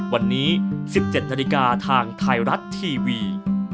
วันนี้๑๗นาฬิกาทางไทยรัฐทีวี